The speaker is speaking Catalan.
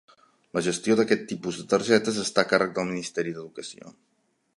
La gestió d'aquest tipus de targetes està a càrrec del Ministeri d'Educació.